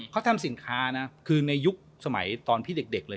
เขาทำสินค้านะคือในยุคสมัยตอนพี่เด็กเลย